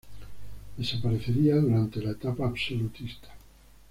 Desaparecería durante la etapa absolutista.